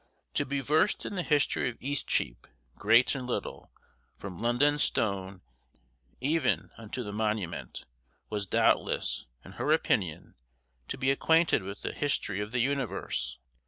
To be versed in the history of Eastcheap, great and little, from London Stone even unto the Monument, was doubtless, in her opinion, to be acquainted with the history of the universe.